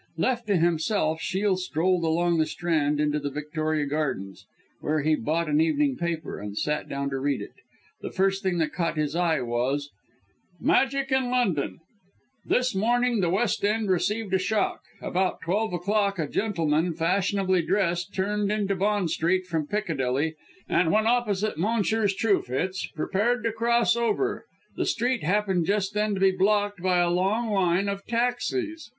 Left to himself, Shiel strolled along the Strand into the Victoria Gardens, where he bought an evening paper, and sat down to read it. The first thing that caught his eye was "MAGIC IN LONDON" "This morning the West End received a shock. About twelve o'clock, a gentleman, fashionably dressed, turned into Bond Street from Piccadilly, and when opposite Messrs. Truefitt's prepared to cross over. The street happened just then to be blocked by a long line of taxis.